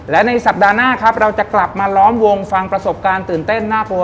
และในสัปดาห์หน้าครับเราจะกลับมาล้อมวงฟังประสบการณ์ตื่นเต้นน่ากลัว